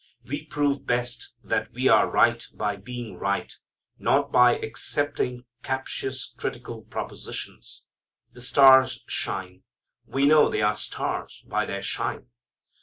We prove best that we are right by being right, not by accepting captious, critical propositions. The stars shine. We know they are stars by their shine.